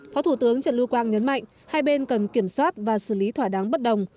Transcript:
phó thủ tướng trần lưu quang nhấn mạnh hai bên cần kiểm soát và xử lý thỏa đáng bất đồng